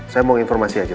saya mau informasi saja